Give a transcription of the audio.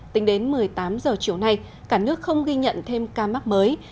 tính đến một mươi tám h chiều nay cả nước không ghi nhận thêm ca mắc mới